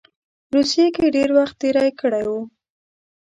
روسیې کې ډېر وخت تېر کړی وو.